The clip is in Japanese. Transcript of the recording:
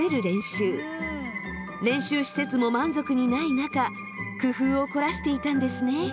練習施設も満足にない中工夫を凝らしていたんですね。